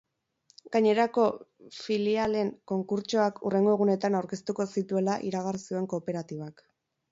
Gainerako filialen konkurtsoak hurrengo egunetan aurkeztuko zituela iragarri zuen kooperatibak.